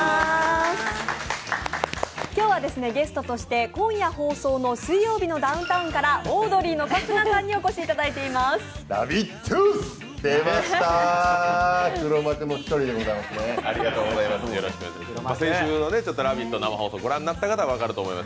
今日はゲストとして今夜放送の「水曜日のダウンタウン」からオードリーの春日さんにお越しいただいています。